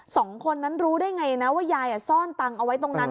สองคนนั้นรู้ได้ไงนะว่ายายซ่อนตังค์เอาไว้ตรงนั้น